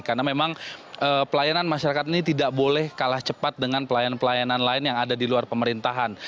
karena memang pelayanan masyarakat ini tidak boleh kalah cepat dengan pelayanan pelayanan lain yang ada di luar pemerintahan